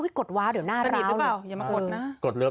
อุ้ยกดว้าวเดี๋ยวหน้าร้าวหรือเปล่าอย่ามากดน่ะกดเลิฟ